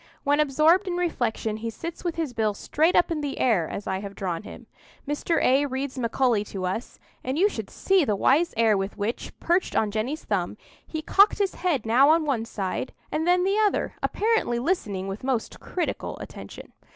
When absorbed in reflection, he sits with his bill straight up in the air, as I have drawn him. Mr. A— reads Macaulay to us, and you should see the wise air with which, perched on Jenny's thumb, he cocked his head now one side and then the other, apparently listening with most critical attention.